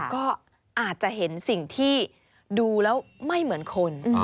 ก็อาจจะเห็นสิ่งที่ดูแล้วไม่เหมือนคน